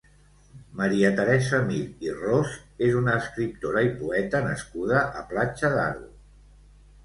Maria Teresa Mir i Ros és una escriptora i poeta nascuda a Platja d'Aro.